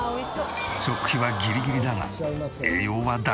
食費はギリギリだが栄養は妥協しない。